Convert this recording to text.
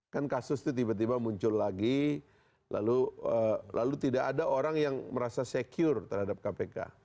kan kasus itu tiba tiba muncul lagi lalu tidak ada orang yang merasa secure terhadap kpk